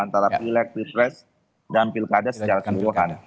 antara filek filpres dan filkada secara keseluruhan